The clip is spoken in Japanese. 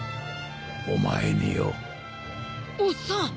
お前によ。おっさん。